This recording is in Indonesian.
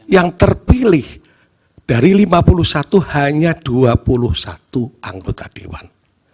yang terpilih dari lima puluh satu hanya dua puluh satu anggota dewan